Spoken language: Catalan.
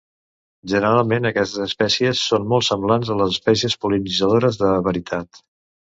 Generalment aquestes espècies són molt semblants a les espècies pol·linitzadores de veritat.